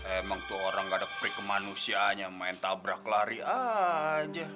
emang tuh orang gak ada prik ke manusianya main tabrak lari aja